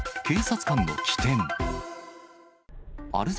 警察官の機転。